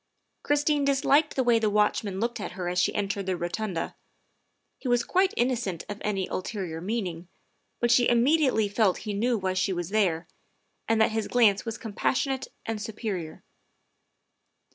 Christine disliked the way the watchman looked at her as she entered the rotunda; he was quite innocent of any ulterior meaning, but she immediately felt he knew why she was there, and that his glance was com passionate and superior.